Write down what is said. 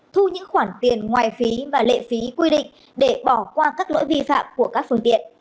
thu những khoản tiền ngoài phí và lệ phí quy định để bỏ qua các lỗi vi phạm của các phương tiện